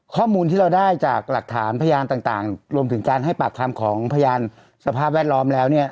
ข้อมูลที่เราได้จากหลักฐานพยานต่างรวมถึงการให้ปากคำของพยานสภาพแวดล้อมแล้วเนี่ย